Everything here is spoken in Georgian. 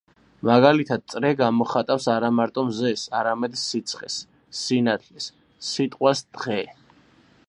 მაგალითად წრე გამოხატავს არა მარტო მზეს არამედ სიცხეს, სინათლეს, სიტყვას „დღე“.